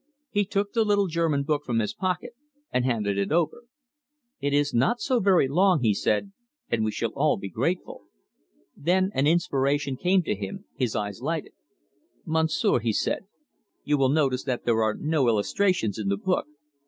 He took the little German book from his pocket, and handed it over. "It is not so very long," he said; "and we shall all be grateful." Then an inspiration came to him; his eyes lighted. "Monsieur," he said, "you will notice that there are no illustrations in the book.